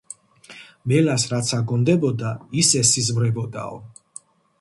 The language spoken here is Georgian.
მელას რაც აგონდებოდა, ის ესიზმრებოდაო